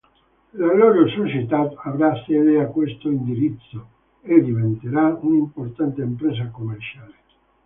La loro società avrà sede a questo indirizzo e diventerà un'importante impresa commerciale.